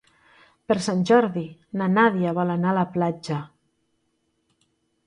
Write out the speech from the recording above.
Per Sant Jordi na Nàdia vol anar a la platja.